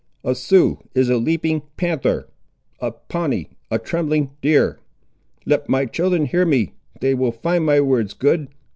A Sioux is a leaping panther, a Pawnee a trembling deer. Let my children hear me. They will find my words good.